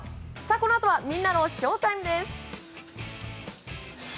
このあとはみんなのＳＨＯＷＴＩＭＥです。